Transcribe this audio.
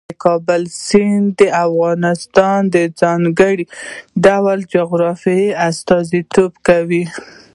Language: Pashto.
د کابل سیند د افغانستان د ځانګړي ډول جغرافیه استازیتوب کوي.